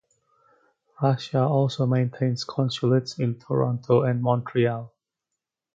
Russia also maintains consulates in Toronto and Montreal.